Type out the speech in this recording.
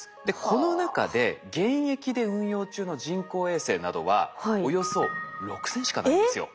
この中で現役で運用中の人工衛星などはおよそ６，０００しかないんですよ。